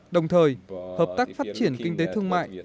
đồng thời hợp tác phát triển kinh tế thương mại